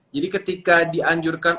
jadi ketika dianjurkan